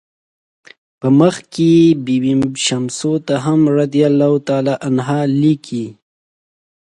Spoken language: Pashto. په مخ کې بي بي شمسو ته هم "رضی الله عنه" لیکي.